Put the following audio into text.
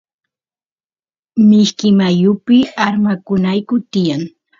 mishki mayupi armakunayku tiyan